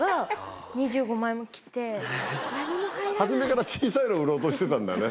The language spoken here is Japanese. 初めから小さいの売ろうとしてたんだね。